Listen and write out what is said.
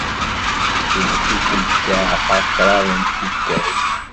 Twet-iten ssiɛqa kraḍt n tikkal.